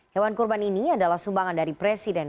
hewan kurban ini adalah sumbangan dari presiden